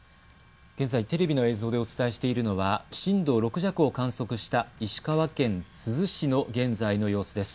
テレビの映像でお伝えしているのは震度６弱を観測した石川県珠洲市の現在の様子です。